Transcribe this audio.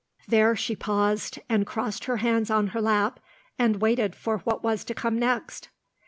There she paused, and crossed her hands on her lap, and waited for what was to come next.